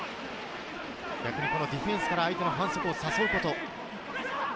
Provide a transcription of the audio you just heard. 逆にディフェンスから相手の反則を誘うこと。